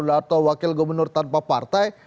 atau wakil gubernur tanpa partai